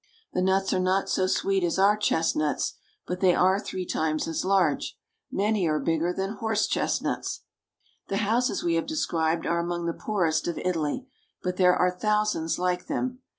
The nuts are not so sweet as our chestnuts, but they are three times as large ; many are bigger than horse chestnuts. The houses we have described are among the poorest of Italy, but there are thousands like them.